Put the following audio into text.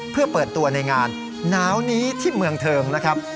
เพื่อเปิดตัวในงานหนาวนี้ที่เมืองเทิงนะครับ